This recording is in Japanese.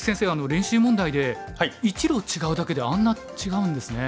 練習問題で１路違うだけであんな違うんですね。